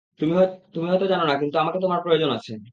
তুমি হয়তো জানো না, কিন্তু আমাকে তোমার প্রয়োজন আছে।